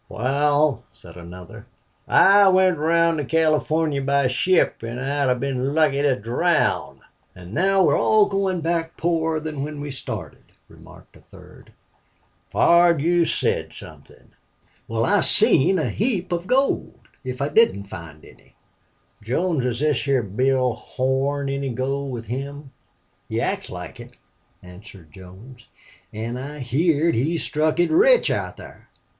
"Wal," said another, "I went round to California by ship, an' I'd hev been lucky to drown." "An' now we're all goin' back poorer than when we started," remarked a third. "Pard, you've said somethin'." "Wal, I seen a heap of gold, if I didn't find any." "Jones, has this here Bill Horn any gold with him?" "He acts like it," answered Jones. "An' I heerd he struck it rich out thar."